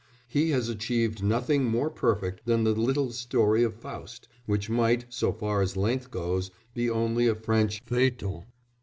He has achieved nothing more perfect than the little story of Faust, which might, so far as length goes, be only a French feuilleton.